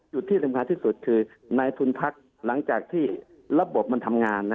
ที่สำคัญที่สุดคือในทุนพักหลังจากที่ระบบมันทำงาน